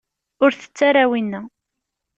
Ur tett ara winna.